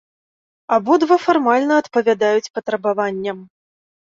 Абодва фармальна адпавядаюць патрабаванням.